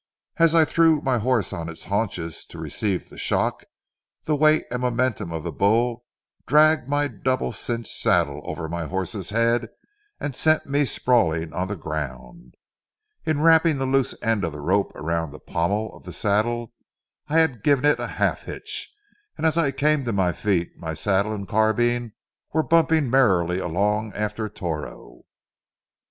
As I threw my horse on his haunches to receive the shock, the weight and momentum of the bull dragged my double cinched saddle over my horse's head and sent me sprawling on the ground. In wrapping the loose end of the rope around the pommel of the saddle, I had given it a half hitch, and as I came to my feet my saddle and carbine were bumping merrily along after Toro.